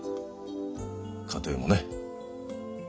家庭もね。